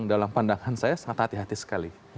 dalam pandangan saya sangat hati hati sekali